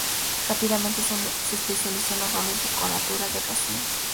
Rápidamente se especializó en los roles de coloratura de Rossini.